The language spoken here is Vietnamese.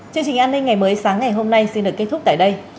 chương trình an ninh ngày mới sáng ngày hôm nay xin được kết thúc tại đây